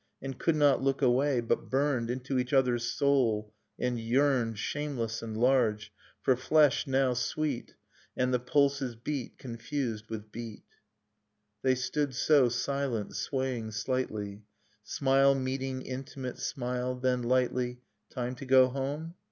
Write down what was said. And could not look away, but burned Into each other's soul, and yearned. Shameless and large, for flesh, now sweet, And the pulses' beat confused with beat . Nocturne of Remembered Spring They stood so, silent, swaying slightly, Smile meeting intimate smile; then lightly, *Time to go home?